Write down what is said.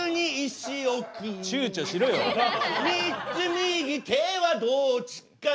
３つ右手はどっちかな